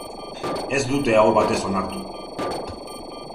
Ez dute aho batez onartu.